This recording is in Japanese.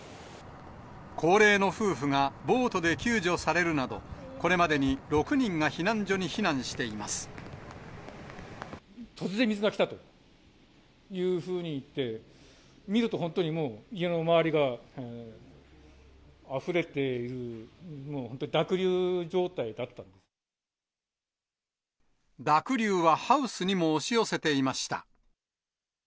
高齢の夫婦がボートで救助されるなど、これまでに６人が避難所に突然、水が来たというふうに言って、見ると本当にもう家の周りがあふれている、濁流はハウスにも押し寄せていました。